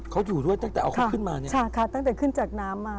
เขาอยู่ด้วยตั้งแต่เอาเขาขึ้นมาเนี่ยใช่ค่ะตั้งแต่ขึ้นจากน้ำมา